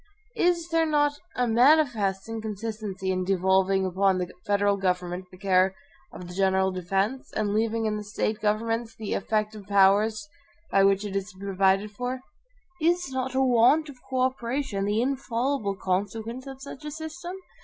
Is there not a manifest inconsistency in devolving upon the federal government the care of the general defense, and leaving in the State governments the EFFECTIVE powers by which it is to be provided for? Is not a want of co operation the infallible consequence of such a system?